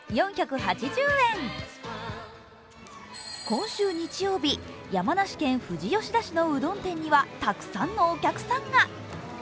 今週日曜日、山梨県富士吉田市のうどん店にはたくさんのお客さんが。